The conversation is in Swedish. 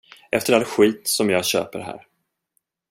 Efter all skit som jag köper här.